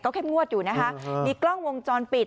ก็แค่มวดอยู่มีกล้องวงจรปิด